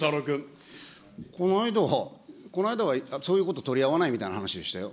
この間、この間はそういうこと取り合わないみたいな話でしたよ。